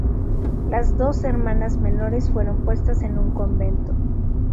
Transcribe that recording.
Las dos hermanas menores fueron puestas en un convento.